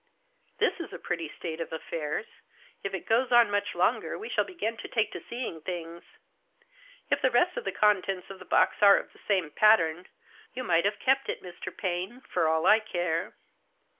"This is a pretty state of affairs. If it goes on much longer we shall begin to take to seeing things. If the rest of the contents of the box are of the same pattern, you might have kept it, Mr. Paine, for all I care."